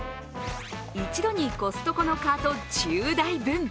一度にコストコのカート１０台分。